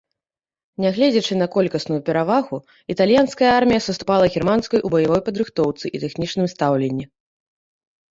Нягледзячы на колькасную перавагу, італьянская армія саступала германскай у баявой падрыхтоўцы і тэхнічным стаўленні.